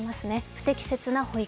不適切な保育。